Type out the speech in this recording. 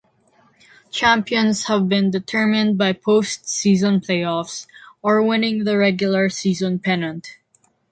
Champions have been determined by postseason playoffs or winning the regular season pennant.